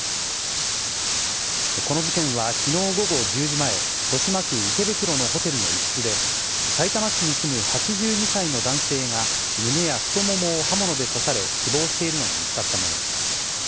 この事件はきのう午後１０時前、豊島区池袋のホテルの１室で、さいたま市に住む８２歳の男性が、胸や太ももを刃物で刺され、死亡しているのが見つかったものです。